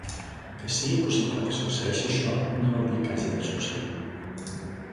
Que sigui possible que succeeixi això, no vol dir que hagi de succeir.